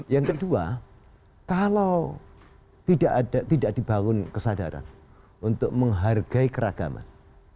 yang kedua kalau tidak dibangun kesadaran untuk menghargai keragaman